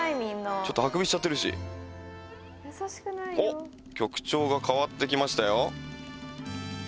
ちょっとあくびしちゃってるしおっ曲調が変わってきましたよ